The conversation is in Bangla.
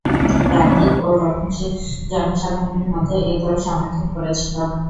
প্রান্তিক ও রক্ষণশীল জনসাধারণের মধ্যে এই দল সমর্থন করেছিল।